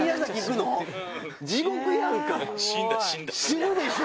死ぬでしょ。